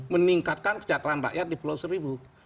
meningkatkan kesejahteraan rakyat di pulau seribu